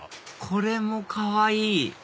これもかわいい！